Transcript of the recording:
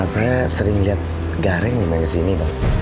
saya sering liat gareng nih main kesini bang